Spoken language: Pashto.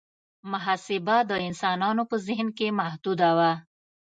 محاسبه د انسانانو په ذهن کې محدوده وه.